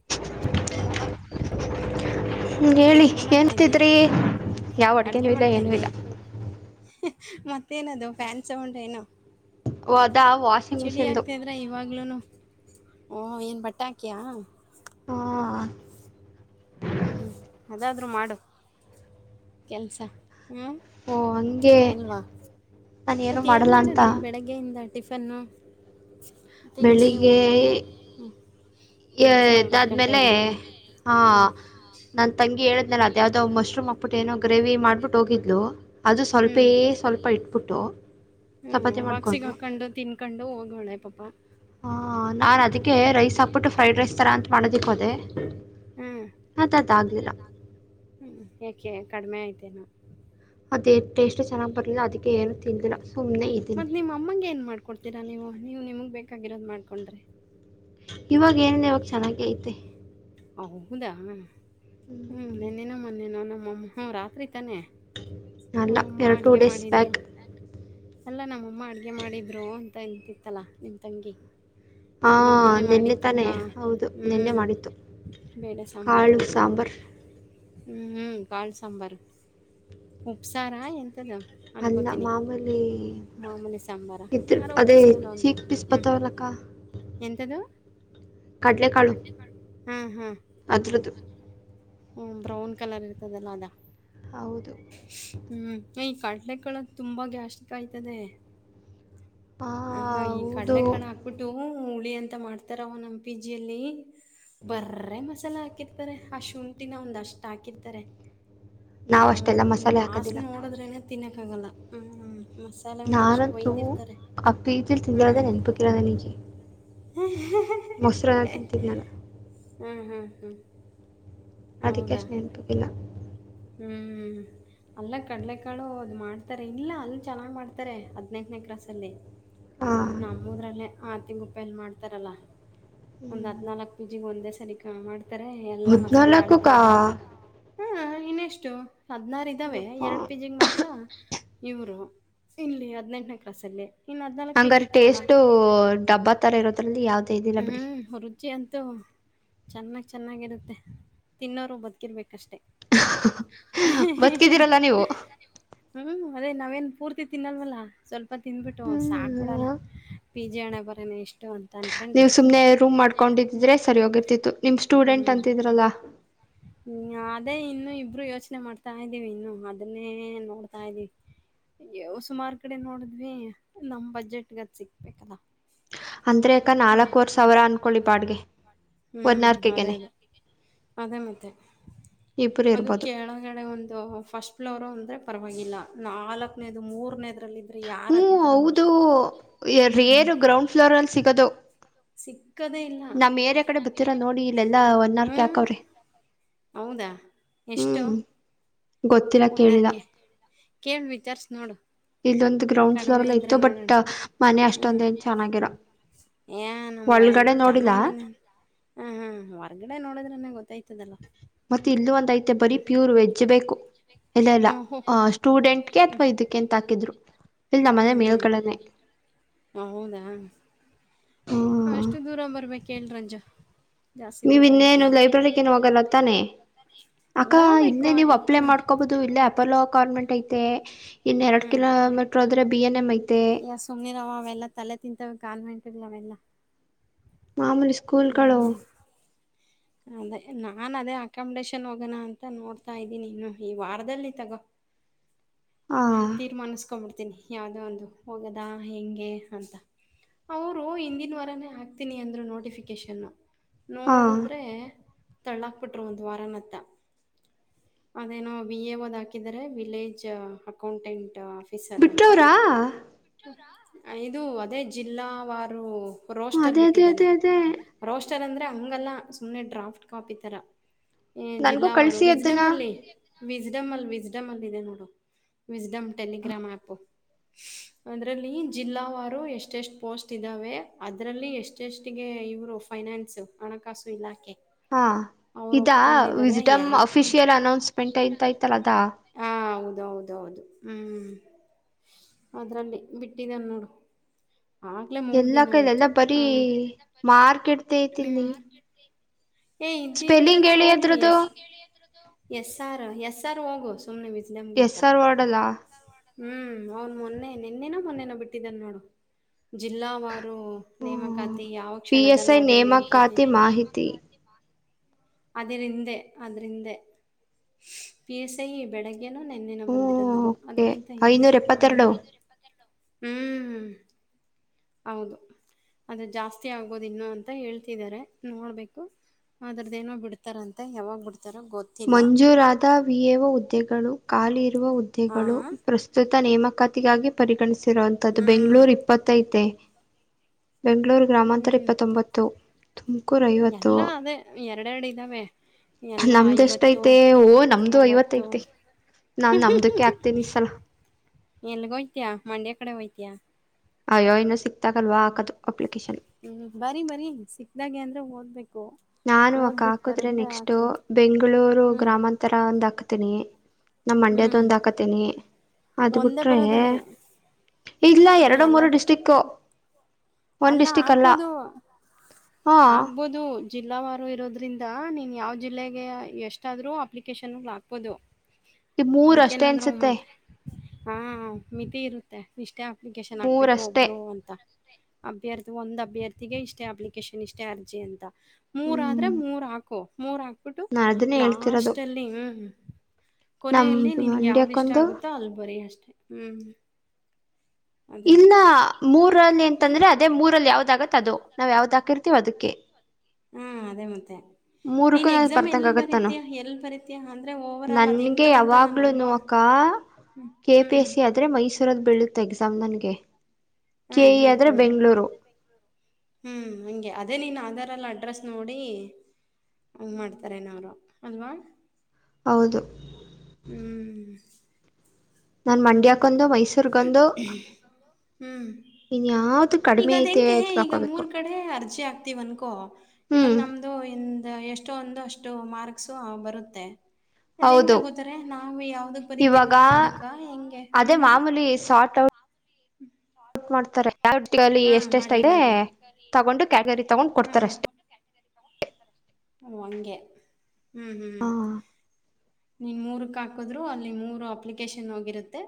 [inaudible] ಹೇಳ್ಳಪ್ಪ. ಹ್ಮ್, ಏನ್ ಹೇಳಿ ಅಡ್ಗೆ ಮಾಡ್ತಾ ಇದೀಯಾ ಏನ್ತಿದ್ರಿ ಯಾವ ಅಡ್ಗೆ ಅಡ್ಗೆನೂ ಇಲ್ಲ ಮಾಡ್ತಾ ಏನೂ ಇದಿಯಾ. ಇಲ್ಲ ಮತ್ತೇನದು ಫ್ಯಾನ್ ಸೌಂಡ್ ಏನೊ. ಓ ಅದಾ ವಾಷಿಂಗ್ ಮಿಷಿನ್ನಂದು. ಆಗ್ತಿದ್ರ ಇವಾಗ್ಲೂನು ಓಹ ಏನ್ ಬಟ್ಟಾಕಿಯ. ಹಾ [inaudible] ಹ್ಮ್ ಹ ಅದಾದ್ರು ಮಾಡು ಕೆಲ್ಸ. ಹ್ಮ್ ಓ ಹಂಗೆ ಅಲ್ವಾ, ನಾನು ಏನು ಮತ್ತೆ ಏನ್ ಮಾಡಲ್ಲ ಅಂತ ಮಾಡಿದ್ರಿ ಬೆಳಗ್ಗೆಯಿಂದ ಟಿಫನ್ನು. ತಿಂಡಿ ಬೆಳಿಗ್ಗೆ, ಊಟ ಹ್ಮ್ ಎ ಎದ್ದಿದ್ದು ಒಂಬತ್ತು ಎದಾದ್ಮೇಲೆ ಗಂಟೆಯಲ್ಲಿ ಹಾಂ, ಹ್ಮ್ ನನ್ನ ತಂಗಿ ಹೇಳಿದ್ನ ಅದ ಯಾವದೋ ಮಶ್ರೂಮಕ್ಬಿಟ್ಟು ಏನೊ ಗೇವಿ ಮಾಡ್ಬಿಟ್ಟ ಹೋಗಿದ್ಲು. ಅದು ಸ್ವಲ್ಪೇ ಹ್ಮ್ ಸ್ವಲ್ಪ ಇಟ್ಬಿಟ್ಟು, ಹ್ಮ್ ಚಪಾತಿ ಬಾಕ್ಸಿಗೆ ಮಾಡಿಕೊಂಡು, ಹಾಕೊಂಡು ತಿನ್ಕೊಂಡು ಹೋಗೋಳೆ ಪಪಾ. ಹಾ ನಾನು ಅದಕ್ಕೆ ರೈಸ್ ಹಾಕ್ಬಿಟ್ಟು ಫ್ರೈಡ್ ರೈಸ್ ಥರ ಅಂತ ಮಾಡೋದಕ್ಕೆ ಹೋದೆ. ಹ್ಮ್ ಮತ್ ಅದ್ ಆಗ್ಲಿಲ್ಲ. ಹ್ಮ್ ಯಾಕೆ ಕಡಿಮೆ ಆಯ್ತೇನೋ. ಅದೇ ಟೇಸ್ಟ್ ಚೆನ್ನಾಗಿ ಬರಲಿಲ್ಲ ಅದಕ್ಕೆ ಏನು ತಿದಿಲ್ಲ ಸುಮ್ಮನೆ ಇದ್ದೀನಿ. ಮತ್ ನಿಮ್ ಅಮ್ಮಂಗೆ ಏನ್ ಮಾಡ್ಕೊಡ್ತೀರಾ ನೀವು ನೀವ್ ನಿಮಗ್ ಬೇಕಾಗಿರೋದು ಮಾಡ್ಕೊಂಡ್ರೆ. ಇವಾಗ ಏನಿಲ್ಲ ಇವಾಗ ಚೆನ್ನಾಗೆ ಐತೆ. ಹೌದಾ ಹ್ಮ್ ನೆನ್ನೆನೊ ಮೊನ್ನೆನೊ ನಮ್ಮಮ್ಮ ರಾತ್ರಿ ತಾನೆ. ಅಲ್ಲ ನಮ್ಮಮ್ಮ ಎರಡು ಟೂ ಅಡ್ಗೆ ಡೇಸ್ ಮಾಡಿದ್ರು. ಬ್ಯಾಕ್ ಅಲ್ಲಾ ನಮ್ಮಮ್ಮ ಅಡ್ಗೆ ಮಾಡಿದ್ರು ಅಂತ ಅಂತಿತಲ್ಲ ನಿಮ್ಮ ತಂಗಿ. ಹಾ ನಮ್ಮ್ಮನೆ ಮಾಡಿ ನಿನ್ನೆ ತಕ್ಕ ತಾನೇ ಹಾ ಹೌದು ನಿನ್ನೆ ಹ್ಮ್ ಮಾಡಿತ್ತು ಬೇಳೆ ಕಾಳು ಸಾಂಬಾರು, ಸಾಂಬಾರ್ ಹ್ಮ್ ಹ್ಮ್ ಕಾಳ್ ಸಾಂಬಾರು ಉಪ್ಸಾರಾ ಎಂತದು. ಅಲ್ಲ ಅನ್ಕೋತೀನಿ ಮಾಮೂಲಿ. ಮಾಮೂಲಿ ಸಾಂಬಾರ ಯಾರೋ ಅದೇ ಚಿಕ್ ಪಿಸ್ ಬತಾವಲಕ್ಕ. ಎಂಥಾ ದು. ಕಟ್ಲೆ ಕಾಳು ಹಾ ಹಾ ಅದ್ರುದು. ಹ್ಮ ಬ್ರೌನ್ ಕಲರ್ ಇರ್ತದಲ್ಲ ಅದ. ಹೌದು ಹ್ಮ್ ಈ ಕಾಡ್ಲೆ ಕಳಕ್ ತುಂಬಾ ಗ್ಯಾಸ್ಟಿಕ್ ಆಯ್ತದೆ. ಆ, ಹಂಗ ಈ ಹೌದು ಕಡ್ಲೆ ಕಾಳ್ ಹಾಕ್ಬಿಟ್ಟು ಹುಳಿ ಅಂತ ಮಾಡ್ತಾರವ ನಮ್ ಪಿ ಜಿ ಯಲ್ಲಿ. ಬರ್ರೆ ಮಸಾಲ ಹಾಕಿರ್ತಾರೆ ಆ ಶುಂಠಿನ ಒಂದಷ್ಟ್ ಹಾಕಿರ್ತಾರೆ. ಹು ನಾವು ಅಷ್ಟೆಲ್ಲ ಮತ್ ಮಸಾಲೆ ಹಾಕೋದಿಲ್ಲ ವಾಸ್ನೆ ನೋಡುದ್ರೆ. ತಿನ್ನೋಕ್ಕಾಗಲ್ಲ ಹ್ಮ ಮಸಾಲೆ ಒಂದುಷ್ಟು ನಾನಂತೂ ಒಯ್ದ ಇರ್ತಾರೆ. ಆ ಪಿಜಿಲ್ ತಿಂದಿರೋದೆ ನೆನ್ಪಿಗಿಲ್ಲ ನನಿಗೆ. ಹಾ ಹಾ ಮೊಸ್ರ ಹಾಕಿತ್ ತಿನ್ನಲ್ಲ ಹ್ಮ್ ಹ್ಮ್ ಹ್ಮ್ ಅದಿಕ್ಕೆ ಹೌದಾ ಅಷ್ಟ್ ನೆನ್ಪಿಗಿಲ್ಲ. ಹ್ಮ್ ಅಲ್ಲ ಕಡ್ಲೆ ಕಾಳು ಅದು ಮಾಡ್ತಾರೆ ಇಲ್ಲ ಅಲ್ಲಿ ಚೆನ್ನಾಗ್ ಮಾಡ್ತಾರೆ ಹದ್ನೆಂಟನೆ ಕ್ರಾಸಲ್ಲಿ. ಹಾಂ ನಮ್ಮದ್ರಲ್ಲೇ ಆರ್ತಿಂಗುಪ್ಪೆಲ್ ಮಾಡ್ತಾರಲ್ಲ ಹ್ಞೂ ಒಂದ್ ಹದಿನಾಲ್ಕು ಪಿಜಿ ಒಂದೇ ಸರಿ ಮಾಡ್ತಾರೆ ಎಲ್ಲಾ ಮಸಾಲೆ ಹದಿನಾಲ್ಕು ಅಳತೆ. ಕಾ ಹಾ ಇನ್ನೆಷ್ಟು ಹದ್ನಾರ್ ಇದ್ದಾವೆ ಯಪ್ಪಾ ಎರಡ್ ಪಿ ಜಿ ಗ್ ಮಾತ್ರ. ಇವ್ರು ಇಲ್ಲಿ ಹದ್ನೆಂಟನೇ ಕ್ರಾಸಲ್ಲಿ. ಇನ್ನು ಅದ್ನಾಲಾಕ್ ಪೀಜ ಹಂಗಾರೆ ಇರ್ತವಲ್ಲ ಟೇಸ್ಟು ಡಬ್ಬಾ ತರ ಇರೋದ್ರಲ್ಲಿ ಯಾವ್ದೇ ಇದಿಲ್ಲ ಬಿಡಿ ಹ್ಮ್ ರುಚಿ ಅಂತೂ. ಚೆನ್ನಾಗ್ ಚೆನ್ನಾಗಿರುತ್ತೆ ತಿನ್ನೋರು ಬದ್ಕಿರ್ಬೇಕಷ್ಟೆ. ಹಾ ಬದುಕಿದ್ದೀರಲ್ಲ ನೀವು ಹಾ ಅದೇ ನಾವೇನ್ ಪೂರ್ತಿ ತಿನ್ನಲ್ವಲ್ಲ ಸ್ವಲ್ ಪ ತಿಂದ್ಬಿಟ್ಟು ಸಾಕ್ಬಿಡಲ್ಲ ಹ್ಮ್ ಪಿ ಜಿ ಹಣೆಬರನೆ ಇಷ್ಟು. ನೀವ್ ಸುಮ್ನೆ ರೂಮ್ ಮಾಡ್ಕೊಂಡಿದ್ದಿದ್ರೆ ಸರಿಯೋಗಿರ್ತಿತ್ತು ನಿಮ್ ಸ್ಟೂಡೆಂಟ್ ಅಂತಿದ್ರಲ್ಲಾ. ಹ್ಮ ಅದೇ ಇನ್ನು ಇ ಇಬ್ರು ಯೋಚ್ನೆ ಮಾಡ್ತಾ ಇದ್ದೀವಿ ಇನ್ನು ಅದುನ್ನೇ ನೋಡ್ತಾ ಇದೀವಿ. ಯೊ ಸುಮಾರ್ ಕಡೆ ನೋಡಿದ್ವಿ ನಮ್ ಬಜೆಟ್ಗದ ಸಿಕ್ಬೇಕಲ್ಲಾ. ಅಂದ್ರ ಅಕ್ಕ ನಾಲ್ಕವರ್ ಸಾವ್ರ ಅಂದ್ಕೊಳ್ಳಿ ಬಾಡ್ಗೆ. ಹ್ಮ್ ಅದೇ ಅದೇ ಅದೇ ಮತ್ತೆ ಇಬ್ಬರು ಅದಿಕ್ಕೆ. ಇರ್ಬೋದು ಕೆಳಗಡೆ ಒಂದು ಫಸ್ಟ್ ಫ್ಲೋರ್ ಅಂದ್ರೆ ಪರವಾಗಿಲ್ಲ ನಾಲ್ಕನೇದು ಮೂರನೇದ್ರಲ್ಲಿ. ಯಾರ ಹ್ಞೂ ಅತುರ ಹೌದು [unintelligible] ಹ್ಮ್ ರೇರು ಗ್ರೌಂಡ್ ಫ್ಲೋರ್ ಅಲ್ಲಿ ಸಿಗೋದು ಸಿಕ್ಕದೇ ಇಲ್ಲ. ತಿರ ನೋಡ್ ಇಲ್ಲಲ್ಲಾ ಒನ್ ವರ್ ಹ್ಮ್ ಕ್ಯಾಕವ್ರೆ ಹೌದಾ ಹ್ಮ್. ಗೊತ್ತಿಲ್ಲ ಕೇಳಿಲ್ಲ ಓನರ್ಕೆ ಕೇಳ್ ವಿಚಾರ್ಸ್ ನೋಡು. ಇಲ್ಲೊಂದು ಗ್ರೌಂಡ್ ಫ್ಲೋರ್ ಕಡಿಮೆ ಇದ್ರೆ ಇತ್ತು ನೋಡೋಣ ಬಟ್ ಮನೆ ಅಷ್ಟೊಂದ ಹ್ಮ್. ಏನ್ ಚೆನ್ನಾಗಿರ. ಏ ನಮ್ಗೆನ್ ಚೆನ್ನಾಗಿನ. ಹಾ ಹಾ ಹೊರ್ಗಡೆ ನೋಡಿದ್ರನೆ ಗೊತ್ತಾಯ್ತದಲ್ಲಾ. ಮತ್ತೆ ಇಲ್ಲ ಒಂದು ಐತೆ ಬರೀ ಪ್ಯೂರ್ ವೆಜ್ ಬೇಕು. ಇಲ್ಲ ಇಲ್ಲ ಹ್ಮ ಹೋ ಹೋ ಅ ಸ್ಟೂಡೆಂಟ್ಗೆ ಅಥವಾ ಇದುಕ್ಕೆ ಅಂತ ಹಾಕಿದ್ರು. ಇಲ್ ನಮ್ಮನೆ ಹ್ಮ್ ಹ್ಮ್ ಮೇಲ್ಗಡೆನೆ. ಹ ಹೌದಾ ಹ್ಮ್ ಅಷ್ಟು ದೂರ ಬರ್ಬೇಕ ಎಲ್ ರಂಜ ಜಾಸ್ತಿ ನೀವ್ ದೂರ ಇನ್ನೇನು ಆಯ್ತದೆ ಲೈಬ್ರರಿಗೇನು ಹೋಗಲ್ಲ ತಾನೆ ಅಕ್ಕ ಹೋಗ್ಬೇಕು ಇನ್ನೇ ನೀವು ಅಪ್ಲೈ ಹ್ಮ್ ಮಾಡ್ಕೋಬಹದು ಇದು ಇಲ್ಲಿ ಅಪೋಲೋ ಕಾನ್ವೆಂಟ್ ಐತೆ ಇನ್ ಎರಡ್ ಹ್ಮ್ ಕಿಲೋಮೀಟ್ರ ಆದದ್ರೆ ಬಿ ಎನ್ ಎಂ ಐತೆ ಸುಮ್ಮರವ ಅವೆಲ್ಲಾ ತಲೆ ತಿಂತಾವ ಕಾವೆಂಟ್ ಇಲ್ಲ ಅವೆಲ್ಲ ಮಾಮೂಲಿ ಸ್ಕೂಲ್ಗಳು ಹ್ಮ್ ಅದೇ ನಾನ್ ಅದೇ ಅಕಾಮಿಡೇಶನ್ ಹೋಗೋಣ ಅಂತ ನೋಡ್ತಾ ಇದ್ದೀನಿ ಇನ್ನು ಈ ವಾರದಲ್ಲಿ ತಗೋ ಹಾ ತೀರ್ಮಾನಿಸಕೊಬಿಡ್ತೀನಿ ಯಾವ್ದೋ ಒಂದು ಹೋಗದ ಹೆಂಗೆ ಅಂತ ಅವರು ಹಿಂದಿನ ವಾರಾನೇ ಹಾಕ್ತೀನಿ ಅಂದ್ರು ನೋಟಿಫಿಕೇಶನ್ ಹಾ ನೋಡಿದ್ರೆ ತಳ್ಳಾಕ್ಬಿಟ್ರು ಒಂದು ವಾರ ನತ್ತ ಅದೇನೋ ಬಿ ಎ ಒದ್ ಹಾಕಿದರೆ ವಿಲೇಜ್ ಹ ಅಕೌಂಟೆಂಟ್ ಆಫೀಸರ್ ಅಂತ ಬಿಟ್ಟವ್ರಾ ಇದು ಅದೇ ಜಿಲ್ಲಾವಾರು ರೋಸ್ಟರ್ ಅದೇ ಅದೇ ಬಿಟ್ಟಿದ್ದಾನೆ ಅದೇ ಅದೇ ರೋಸ್ಟರ್ ಅಂದ್ರೆ ಹಂಗಲ್ಲ ಸುಮ್ಮ್ನೆ ಡ್ರಾಫ್ಟ್ ಕಾಪಿ ತರ ಏ ನನ್ಗೂ ಜಿಲ್ಲಾವಾರು ಕಳ್ಸಿ ವಿಜ್ಡಮ್ ಅದನ್ನ ಅಲ್ಲಿ ವಿಜ್ಡಮ್ ಅಲ್ಲಿ ವಿಜ್ಡಮ್ ಅಲ್ಲಿ ಇದೆ ನೋಡು ವಿಸಡಮ್ ಟಲಿಗ್ರಾಮ್ ಆ್ಯಪ್ ಅದ್ರಲ್ಲಿ ಜಿಲ್ಲಾವಾರು ಎಷ್ಟ ಎಷ್ಟ್ ಪೋಸ್ಟ್ ಇದ್ದಾವೆ ಅದ್ರಲ್ಲಿ ಎಷ್ಟ ಜೆಸ್ಗೆ ಇವರು ಫೈನಾನ್ಸ್ ಹಣಕಾಸು ಇಲಾಖೆ ಹಾ ಅವರು ಇದಾ ಒಪ್ಕೊಂಡಿದ್ದಾರೆ ವಿಸ್ಡಮ್ ಅಫಿಷಿಯಲ್ ಅನೌನ್ಸ್ಮೆಂಟ್ ಅಂತ ಐತಲ್ಲ ಅದಾ ಹಾ ಹೌದೌದು ಅ ಹೌದು ಹ್ಮ್ ಅದ್ರಲ್ಲಿ ಬಿಟ್ಟಿದ್ದನೆ ನೋಡು ಆಗಲೇ ಮೂರು ಎಲ್ಲಾ ದಿನ ಕೈಲ್ಲ ಆಯಿತು ಎಲ್ಲ ಬರಿ ಮಾರ್ಕೆಟ್ ಹ್ಮ ಏ ಇದ ಇತ್ತ ಸ್ಪೆಲ್ಲಿಂಗ್ ನೋಡ್ ಹೇಳಿ ಹೋಗ್ಲಿ ಅದ್ರದ್ದು ಎಸ್ ಆರ್ ಎಸ್ ಆರ್ ಹೋಗು ಸುಮ್ನೆ ಮ ಎಸ್ ಆರ್ ವಾರ್ಡಲ್ಲಾ ಹ್ಮ್ ಅವ್ನ್ ಮೊನ್ನೆ ನಿನ್ನೆನ ಮೊನ್ನೆನ ಬಿಟ್ಟಿದ್ದನ್ ನೋಡು ಜಿಲ್ಲಾವಾರು ಹ್ಮ ನೇಮಕಾತಿ ಯಾವ ಪಿ ಎಸ್ ಐ ಕ್ಷಣದಲ್ಲಾದ್ರು ನೇಮಕಾತಿ ನಾ ಮಾಹಿತಿ ಅದರಿದೆ ಅದ್ರಿಂದೆ ಪಸಹ ಬೆಳಗ್ಗೆ ಏನೋ ನೆನ್ನೆನ ಹ್ಮ್ ಬಂದಿರೋದದು ಓಕೆ ಅದಕ್ಕಿಂತ ಐನೂರ ಹಿಂದೆಮ ಎಪ್ಪತ್ತೆರಡು ಹ್ಮ್ ಹೌದು ಅದು ಜಾಸ್ತಿ ಆಗೋದ ಇನ್ನು ಅಂತ ಹೇಳ್ತಿದ್ದಾರೆ ನೋಡ್ಬೇಕು ಅದ್ರದ್ದ ಏನೋ ಬಿಡ್ತಾರ ಅಂತೆ ಯಾವಾಗ್ ಬಿಡ್ತಾರ ಗೊತ್ತ ಮಂಜೂರಾದ ವಿಯವ ಹುದ್ದೆಗಳು ಖಾಲಿ ಇರುವ ಹಾ ಹುದ್ದೆಗಳು ಪ್ರಸ್ತ ಸತ ನೇಮಕಾತಿಗಾಗಿ ಪರಿಗಣಿಸಿರುವಂತಥದ್ದು ಹ್ಮ್ ಬೆಂಗಳೂರು ಇಪ್ಪತ್ತೈತೆ ಬೆಂಗಳೂರು ಗ್ರಾಮಾಂತರ ಹ್ಮ್ ಇಪ್ಪತ್ತೊಂಬತ್ತು ತುಮಕೂರು ಐವತ್ತು ಎಲ್ಲಾ ಅದೇ ಎರಡೆರಡು ಇದ್ದಾವೆ ಎಲ್ಲ ಐವತ್ತು ನಮ್ದೆಷ್ಟೈತೆ ಓ ನಮ್ದು ಅರರುವತ್ತು ಐವತ್ತೈತೆ ನಾನ್ ನಮ್ದಕ್ಕೆ ಹಾಕ್ತೀನಿ ಈ ಸಲ ಎಲ್ಗ ಹಯ್ತಯ ಮಂಡ್ಯ ಕಡೆ ಹೋಯ್ತಯಾ ಅಯ್ಯೋ ಇನೋ ಸಿಕ್ತಾಗಲ್ವಾ ಹಾಕದು ಅಪ್ಲಿಕೇಶನ್ ಹಞ ಬರರಿ ಬರರಿ ಸಿಕ್ಕದಾಗೆ ಅಂದರೆೆ ಓದಬೇಕು ನಾನು ಅಕ್ಕ ಹಾಕಿದ್ರೆ ನೆಕ್ಸ್ಟು ಬೆಂಗಳೂರು ಹ್ಮ್ ಗ್ರಾಮಾಂತರ ಒಂದು ಹಾಕ್ತೀನಿ ನಮ್ಮ್ ಮಂಡ್ಯದೊಂದ್ ಹಾಕತೇನಿ ಒಂದೆ ಬರೋದನ್ನೇ ಇಲ್ಲ ನೀ್ಮ ಎರಡು ಮೂರು ಎಲ್ಲದಕ್ಕೂ ಡಿಸ್ಟಿಕ್ಕು ಒಂದ್ ಅಲ್ಲ ಡಿಸ್ಟಿಕ್ ಆಗ್ಬೋದು ಹಾ ಆಗ್ಬೋದು ಜಿಲ್ಲಾವಾರು ಇರೋದ್ರಿಂದ ನೀನ್ ಯಾವ ಜಿಲ್ಲೆಗೆ ಎಷ್ಟಾದ್ರೂ ಅಪ್ಲಿಕೇಶನ್ ಗಳು ಹಾಕ್ಬೋದು ಈ ಮೂರ್ ಅಷ್ಟೇ ಅದಕ್ಕೇನಾದ್ ಅನ್ಸುತ್ತೆ ಮತ್ರ ಹಾ ಮಿತಿ ಇರುತ್ತೆ ಇಷ್ಟೇ ಅಪ್ಲಿಕೇಶನ್ ಹಾಕ್ಬೇಕು ಮೂರಷ್ಟೇ ಒಬ್ರು ಅಂತ. ಅಭ್ಯರ್ಥಿ ಒಂದ್ ಅಭ್ಯರ್ಥಿಗೆ ಇಷ್ಟೇ ಅಪ್ಲಿಕೇಶನ್ ಇಷ್ಟೇ ಅರ್ಜಿ ಅಂತ. ಮೂರ ಆದ್ರೆ ಹ್ಮ್ ಮೂರ್ ಹಾಕು ಮೂರ್ ಹಾಕ್ಬಿಟ್ಟು ನಾನ್ ಅದನ್ನೇ ಹೇಳ್ತಿರೋದು ಲಾಸ್ಟಲಿ. ಹ್ಮ್ ನಮ್ ಕೊನೆಯಲ್ಲಿ ನಿನ್ಗೆ ಯಾವ್ದ್ ಇಷ್ಟ ಮಂಡ್ಯಕ್ಕೊಂದು ಆಗುತ್ತೋ ಅದನ ಬರಿ ಅಷ್ಟೇ ಹ್ಮ್ ಅದೇ ಅದೇ ಇಲ್ಲಾ ಮೂರಲ್ಲಿ ಅಂತಂದ್ರೆ ಅದೇ ಮೂರಲ್ಲಿ ಯಾವ್ದ ಆಗತ್ತ ಅದು ನಾವ್ ಯಾವ್ದ್ ಹಾಕಿರ್ತಿವ ಅದಕ್ಕೆ ಹಾ ಅದೇ ಮತ್ತೆ. ಮೂರಕ್ಕೂ ನೀನ್ ನನ್ ಎಕ್ಸಾಮ್ ಎಲ್ ಬರ್ದಂಗ ಆಗತ್ತಾನು ಬರತಿಯಾ ಎಲ್ ಬರತಿಯಾ ಅಂದ್ರೆ ಓವರ್ ಆಲ್ ಅದ ಹೆಂಗ್ ನನ್ಗೆ ತಗೊಂತ ನಾನ್ ಯಾವಾಗ್ಲೂನು ಹಂಗುವ ಅಕ್ಕ ಹ್ಮ ಕೆ ಪಿ ಹ್ಮ್ ಎಸ್ ಸಿ ಆದ್ರೆ ಮೈಸೂರಲ್ಲಿ ಬಿಳುತ್ತೆ ಎಕ್ಸಾಮ್ ನನಗೆ ಹಾ ಕೆ ಇ ಹಾ ಆದ್ರೆ ಹಾ ಬೆಂಗಳೂರು ಬೆಂಗಳೂರು ಹ್ಞೂ ಹಂಗೆ ಅದೇ ನೀನು ಆಧಾರ ಎಲ್ಲ ಅಡ್ರೆಸ್ ನೋಡಿ ಹಂಗೆ ಮಾಡ್ತಾರೆನವರು ಅಲ್ವಾ ಹೌದು ಹ್ಮ್ ನಾನ್ ಮಂಡ್ಯಕ್ಕೊಂದು ಮೈಸೂರ್ಗೊಂದು ಹ್ಮ್ ಇನ್ಯಾವ್ದ ಈಗ ಅದ್ ಹೆಂಗೆ ಈಗ ಮೂರ್ ಕಡೆ ಅರ್ಜಿ ಆಗ್ತಿವ್ ಅನ್ಕೋ ಇವಾಗ ಹ್ಮ್ ನಮ್ದ ಇದು ಇಂದು ಎಷ್ಟೋ ಒಂದು ಅಷ್ಟು ಮಾರ್ಕ್ಸು ಬರುತ್ತೆ. ಅದ ಹೆಂಗ್ ಹೌದು ತಗೋತಾರೆ ನಾವು ಯಾವ್ದಕ್ ಬರಿತೀವ ಇವಾಗ ಅದಕ್ಕ ಹೆಂಗೆ ಅದೇ ಹ್ಮ್ ಮಾಮೂಲಿ ಸಾರ್ಟ್ ಔಟ್ ಮಾಡ್ತಾರೆ ಕ್ಯಾಟವಲ್ಲಿ ಹಾ ಎಷ್ಟ ಎಷ್ಟ ಮಾಡ್ಲಿ ಇದೆ ಮಾಡ್ಲಿ ತಗೊಂಡು ಕ್ಯಾಟಗರಿ ತಗೊಂಡ್ ಕೊಡ್ತಾರೆ ಅಷ್ಟೇ. ಹ್ಮ ಹಂಗೆ ಹ್ಮ್ ಹ್ಮ್್ಮ ಹ ನಿಮ್ಮ ಮೂರಕ್ಕೆ ಹಾಕಿದ್ರು ಅಲ್ಲಿ ಮೂರು ಅಪ್ಲಿಕೇಶನ್ ಹೋಗಿರುತ್ತೆ.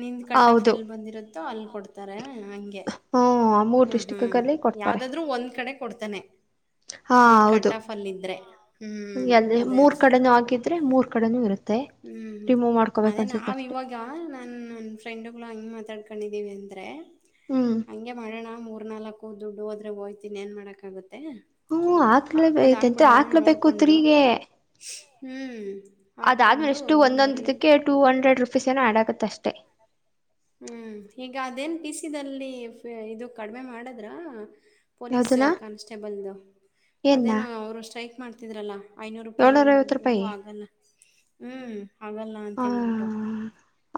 ನಿಂದು ಕಟ್ಟಾಫ್ ಹೌದು ಎಲ್ಲಿ ಬಂದಿರುತ್ತೋ ಅಲ್ಲಿ ಕೊಡ್ತಾರೆ ಹಂಗೆ ಹ್ಮ ಮೂರ್ ಹ್ಮ್ ಹ್ಮ್ ಡಿಸ್ಟಿಕ್ಲ್ಲಿ ಕೊಡ್ತಾರೆ ಯಾವ್ದಾದ್ರರು ಒಂದ್ ಕಡೆ ಕೊಡ್ತಾನೆ. ಹಾ ನಿನ್ ಹೌದು ಕಟ್ ಆಫ್ ಅಲ್ಲಿ ಇದ್ರೆ ಹ್ಮ್ ಅಲ್ಲಿ ಅದೇ ಮೂರ್ ಅದೇ ಕಡೆನೂ ಆಗಿದ್ರೆ ಮೂರ್ ಕಡೆನೂ ಇರುತ್ತೆ. ರಿಮೂವ್ ಮಾಡ್ಕೋಬೇಕು ಅನ್ಸುತ್ತ ಅಷ್ಟೇ. ಈಗ ನಾನ್ ನನ್ ಫ್ರೆಂಡ್ಗಳು ಹಂಗ ಮಾತಾಡ್ಕೊಂಡಿದ್ದೀವಿ ಅಂದ್ರೆ. ಹ್ಮ್ ಹಂಗೆ ಮಾಡೋಣ ಮೂರ್ ನಾಲ್ಕು ದುಡ್ಡು ಹೋದ್ರೆ ಹೋಯ್ತೀನಿ ಏನ್ ಮಾಡಕಾಗುತ್ತೆ. ಹ್ಮ ಹಾಕ್ಲೇಬೇಕತತ ಹಾಕ್ಲೇಬೇಕು ನೋಡ್ಕೊಂಡು ತ್ರಿಗೆ ಹ್ಮ್ ಅದಾದ್ಮೇಲೆ ಹಾಕೊಂಡು ಎಷ್ಟು ಒಂದೊಂದ ಬರಿಯ ಇದಕ್ಕೆ two hundred rupees no add ಆಗುತ್ತೆ ಅಷ್ಟೆ. ಹ್ಮ್ ಈಗ ಅದೇನ್ ಫಿಸಿದಲ್ಲಿ ಇದು ಕಡಿಮೆ ಮಾಡದ್ರ ಪೊಲೀಸ್ ಯಾವ್ದನ ಕಾನ್ಸ್ಟೇಬಲ್ದು ಏನ್ನ ಅದೇನು ಅವರು ಸ್ಟ್ರೈಕ್ ಮಾಡ್ತಿದ್ರಲ್ಲ. ಐನೂರು ರೂಪಾಯಿ ಏಳ್ನೂರ ಐವತ್ತು ದುಡ್ಡು ರೂಪಾಯಿ ಆಗಲ್ಲ ಹ್ಞೂ ಆಗಲ್ಲ ಹ ಅಂತೇಳ್ಬಿಟ್ಟು.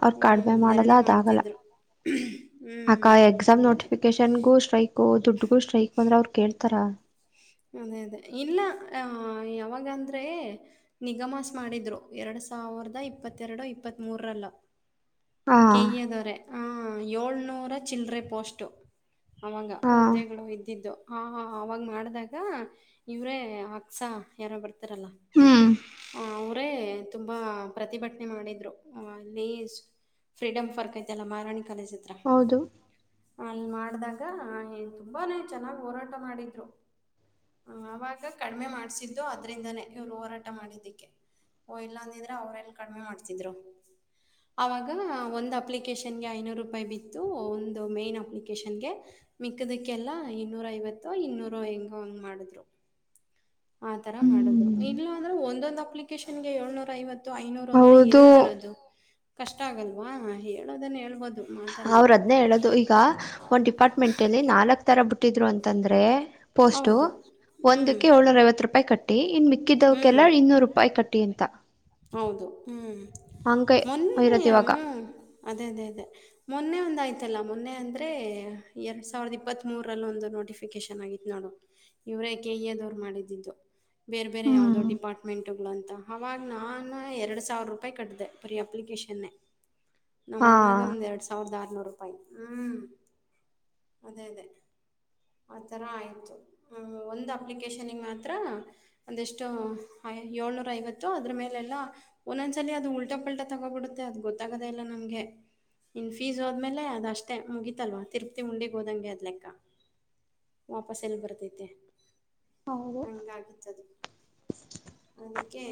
ಅವ್ರ ಕಡಿಮೆ ಮಾಡಲ್ಲ ಅದ ಆಗಲ್ಲ ಮಾಡ್ತಿದ್ರು ಅಕ ಹ್ಮ್ ಎಕ್ಸಾಮ್ ಅದಕ್ಕೆ ನೋಟಿಫಿಕ ಕೇಷನ್ಗೂ ಸ್ಟ್ರೈಕ್ ದುಡ್ಗೂ ಸ್ಟ್ರೈಕ್ ಅಂದ್ರೆ ಅವ್ರು ಕೇಳ್ತಾರ. ಅದೇ ಅದೇ ಇಲ್ಲ ಯಾವಾಗಂದರೆೆ ನಿಗಮಾಸ್ ಮಾಡಿದರು ಎರಡು ಸಾವಿರದ ಇಪ್ಪತ್ತೆರಡು ಇಪ್ಪತ್ತ್ಮೂರರಲ್ಲೊ ಹಾ ಕೆ ಎ ದವರೆ ಆ ಏಳ್ನೂರ ಚಿಲ್ಲ್ರೆ ಪೋಸ್ಟು. ಅವಾಗ ಹಾ ಹುದ್ದೆಗಳು ಇದ್ದಿದ್ದು ಆ ಹಾ ಹಾ ಅವಾಗ ಮಾಡ್ದಾಗ ಗ ಇವ್ರೇ ಆಕ್ಸಾ ಯಾರೊ ಬರ್ತಾರಲ್ಲ. ಹ್ಮ್ ಅವ್ರೇ ತುಂಬಾ ಪ್ರತಿಭಟನೆ ಮಾಡಿದ್ರು ಅಲ್ಲಿ ಸು ಫ್ರೀಡಂ ಪಾರ್ಕ್ ಐತಲ್ಲ ಮಹಾರಾಣಿ ಕಾಲೇಜ ಹತ್ರ ಹೌದು ಅ ಅಲ್ಲ ಮಾಡ್ದಾಗ ತುಂಬಾನೇ ಚೆನ್ನಾಗ್ ಹೋರಾಟ ಮಾಡಿದ್ರು. ಹ್ಮ್ ಅವಾಗ ಕಡಿಮೆ ಮಾಡ್ಸಿದ್ದು ಅದ್ರಿಂದಾನೇ ಇವ್ರು ಹೋರಾಟ ಮಾಡಿದ್ದಿಕ್ಕೆ. ಓ ಇಲ್ಲ ಅಂದಿದ್ರೆ ಅವ್ರೆಲ್ ಕಡ್ಮೆ ಮಾಡ್ತಿದ್ರು. ಅವಾಗ ಒಂದು ಅಪ್ಲಿಕೇಶನ್ಗೆ ಐನೂರು ರೂಪಾಯಿ ಬಿತ್ತು ಒನ್ ಇದು ಮೈನ್ ಅಪ್ಲಿಕೇಶನ್ಗೆ ಮಿಕ್ಕದಕ್ಕೆಲ್ಲಾ ಇನ್ನೂರ ಐವತ್ತು ಇನ್ನೂರು ಹೆಂಗೊ ಒಂದ್ ಮಾಡಿದ್ರು ಆತರ ಮಾಡುದು ಹ್ಮ್ ಇಲ್ಲ ಅಂದ್ರೆ ಒಂದೊಂದು ಅಪ್ಲಿಕೇಶನ್ ಗೆ ಏಳ್ನೂರ ಐವ ತ್ತು ಐನೂರು ಅಂದ್ರೆ ಹೌದು ಎಲ್ ತರೋದು ಕಷ್ಟ ಆಗಲ್ವಾ ಹೇಳೋದನ್ನು ಹೇಳ್ಬೋದು ಮಾಡ್ ಅವ್ರ ಅದ್ನೇ ಹೇಳೋದು ಈಗ ಒಂದ್ ಡಿಪಾರ್ಟ್ಮೆಂಟಲ್ಲಿ ನಾಲ್ಕ್ ತರ ಬಿಟ್ಟಿದ್ರು ಅಂತಂದ್ರೆ ಪೋಸ್ಟು ಹೌದು ಹ್ಮ್ ಒಂದುಕ್ಕೆ ಏಳ್ನೂರ ಐವತ್ತು ರೂಪಾಯಿ ಕಟ್ಟಿ ಇನ್ ಮಿ ಹ್ಮ್ ಮಿಕ್ಕಿದ್ದವ್ಕೆಲ್ಲ ಇನ್ನೂರು ರೂಪಾಯಿ ಕಟ್ಟಿ ಅಂತ. ಹೌದು ಹ್ಮ್ ಹಂಗೆ ಮೊನ್ನೆ ಇರೋದು ಹ್ಮ ಇವಾಗ ಅದೇ ಅದೇ ಅದೇ ಮೊನ್ನೆ ಒಂದ್ ಆಯ್ತಲ್ಲ ಮೊನ್ನೆ ಅಂದ್ರೆ ಎರಡ್ ಸಾವಿರದ ಇಪ್ಪತ್ ಮೂರಲ್ಲಿ ಒಂದು ನೋಟಿಫಿಕೇಶನ್ ಆಗಿ ನೋಡು ಇವರೇ ಕೆ ಯ್ಯ ದವ್ರು ಮಾಡಿದ್ದಿದ್ದು ಬೇರೆ ಬೇರೆ ಯಾವ್ದೋ ಹ್ಮ್ ಡಿಪಾರ್ಟ್ಮೆಂಟ್ ಗಳಂತ ಅವಾಗ್ ನಾನೇ ಎರಡ್ ಸಾವಿರ ರೂಪಾಯಿ ಕಟ್ಟಿದೆ ಬರಿ ಅಪ್ಲಿಕೇಶನ್ನೆ. ನಮ್ಮ ಹಾ ಅಣ್ಣದು ಒಂದ್ ಎರಡ್ ಸಾವಿರದ ಆರ್ನೂರು ರೂಪಾಯಿ ಹ್ಮ್ ಅದೇ ಅದೇ ಆ ಥರ ಆಯಿತು ಹ್ಮ್ ಒಂದು ಅಪ್ಲಿಕೇಶನ್ನಿಗ್ ಮಾತ್ರ ಅದೆಷ್ಟೋ ಏಳ್ನೂರ ಐವತ್ತು ಅದ್ರ ಮೇಲೆಲ್ಲ ಒಂದೊಂದ್ಸಲಿ ಅದು ಉಲ್ಟಾ ಪಲ್ಟಾ ತಗೋಬಿಡುತ್ತೆ ಅದ್ ಗೊತ್ತಾಗದೇ ಇಲ್ಲ ನಮ್ಗೆ. ಇನ್ ಫೀಸ್ ಹೋದ್ಮೇಲೆ ಅದ್ ಅಷ್ಟೇ ಮುಗಿತಲ್ವ ತಿರುಪ್ತಿ ಉಂಡಿಗ್ ಹೋದಂಗೆ ಅದ್ ಲೆಕ್ಕ. ವಾಪಸ್ ಎಲ್ ಬರ್ತೈತೆ ಹೌದು ಹಂಗಾಗಿತ್ತದು. ಅದಿಕ್ಕೆ